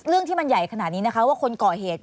เรื่องที่มันใหญ่ขนาดนี้นะคะว่าคนก่อเหตุ